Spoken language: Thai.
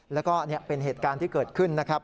แล้วก็เป็นเหตุการณ์ที่เกิดขึ้นนะครับ